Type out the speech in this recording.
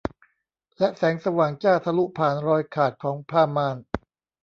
และแสงสว่างจ้าทะลุผ่านรอยขาดของผ้าม่าน